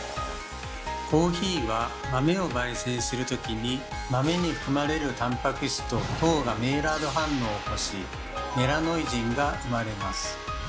コーヒーは豆をばい煎する時に豆に含まれるタンパク質と糖がメイラード反応を起こしメラノイジンが生まれます。